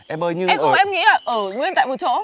em nghĩ là ở nguyên tại một chỗ